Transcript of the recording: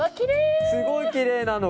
すごいきれいなの。